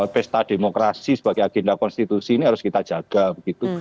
pesta demokrasi sebagai agenda konstitusi ini harus kita jaga begitu